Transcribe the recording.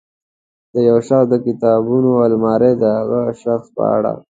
د یو شخص د کتابونو المارۍ د هماغه شخص په اړه.